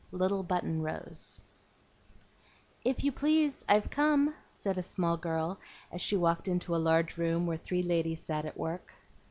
LITTLE BUTTON ROSE "If you please, I've come," said a small girl, as she walked into a large room where three ladies sat at work.